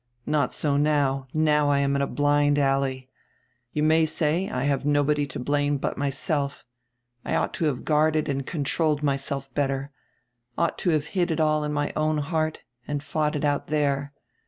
Not so now; now I am in a blind alley. You may say, I have nobody to blame but myself; I ought to have guarded and controlled myself better, ought to have hid it all in my own heart and fought it out there.